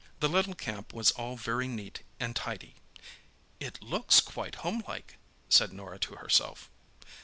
The little camp was all very neat and tidy. "It looks quite home like," said Norah to herself.